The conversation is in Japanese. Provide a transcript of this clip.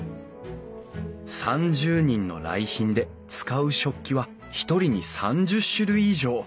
３０人の来賓で使う食器は一人に３０種類以上。